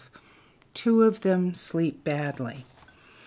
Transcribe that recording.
Two of Them Sleep Badly.